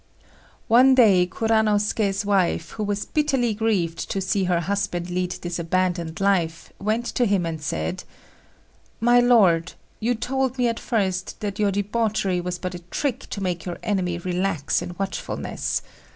One day Kuranosuké's wife, who was bitterly grieved to see her husband lead this abandoned life, went to him and said: "My lord, you told me at first that your debauchery was but a trick to make your enemy relax in watchfulness.